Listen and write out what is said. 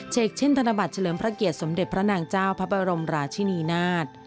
เช่นธนบัตรเฉลิมพระเกียรติสมเด็จพระนางเจ้าพระบรมราชินีนาฏ